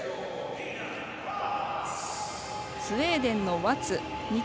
スウェーデンのワツ。